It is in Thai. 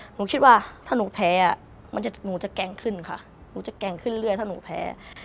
หนูคิดว่าถ้าหนูแพ้หนูจะแกล้งขึ้นค่ะหนูจะแกล้งขึ้นเรื่อยถ้าหนูแพ้